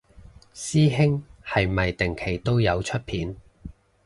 師兄係咪定期都有出片